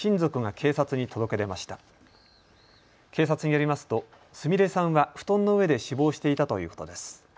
警察によりますと菫さんは布団の上で死亡していたということです。